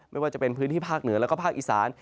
ไม่ว่าจะเป็นพื้นที่ภาคเหนือแล้วก็ภาคอีสาน